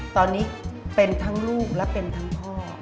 ตอนนี้เป็นทั้งลูกและเป็นทั้งพ่อ